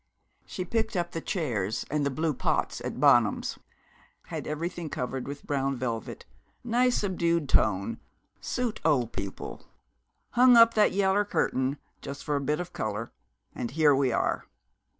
She picked up the chairs and the blue pots at Bonham's, had everythin' covered with brown velvet nice subdued tone, suit old people hung up that yaller curtain, just for a bit of colour, and here we are.'